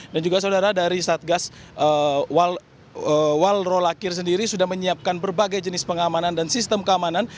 dan juga saudara dari kasatgas walrolakir sendiri sudah menyiapkan berbagai jenis pengamanan dan sistem keamanan